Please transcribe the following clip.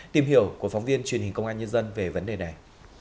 tìm hiểu của phóng viên truyền hình công an nhân dân về vấn đề này